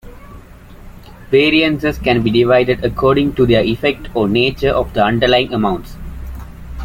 Variances can be divided according to their effect or nature of the underlying amounts.